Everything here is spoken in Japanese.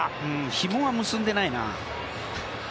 ひもは、結んでないな。